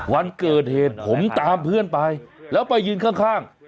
วันเกิดเหตุผมตามเพื่อนไปแล้วไปยืนข้าง